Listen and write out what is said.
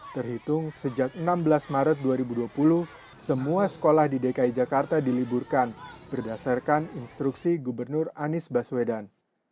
terhitung sejak enam belas maret dua ribu dua puluh semua sekolah di dki jakarta diliburkan berdasarkan instruksi gubernur anies baswedan